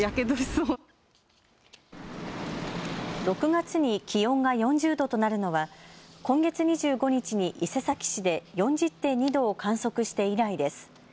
６月に気温が４０度となるのは今月２５日に伊勢崎市で４０．２度を観測して以来です。